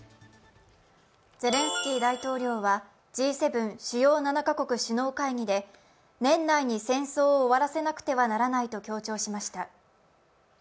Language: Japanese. ゼレンスキー大統領はＧ７＝主要７か国首脳会議で年内に戦争を終わらせなくてはならないと強調しました。